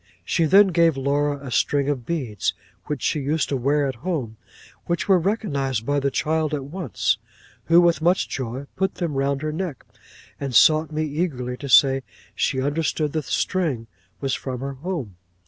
'She then gave Laura a string of beads which she used to wear at home, which were recognised by the child at once, who, with much joy, put them around her neck, and sought me eagerly to say she understood the string was from her home.